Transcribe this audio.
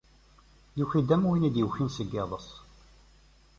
Yuki-d am win i d-yukin seg yiḍes.